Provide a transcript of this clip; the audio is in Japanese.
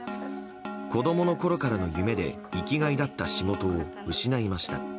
子供のころからの夢で生きがいだった仕事を失いました。